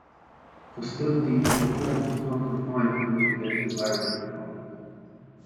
Hostility to the courts was not confined to those against the Irish Republic.